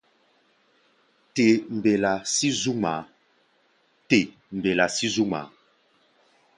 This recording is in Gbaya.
Te mbelá sí zú ŋmaa.